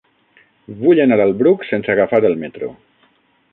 Vull anar al Bruc sense agafar el metro.